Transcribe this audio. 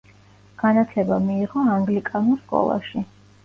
განათლება მიიღო ანგლიკანურ სკოლაში.